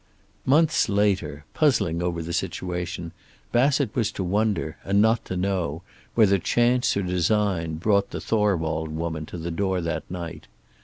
Months later, puzzling over the situation, Bassett was to wonder, and not to know, whether chance or design brought the Thorwald woman to the door that night.